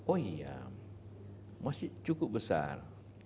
oh iya masih cukup besar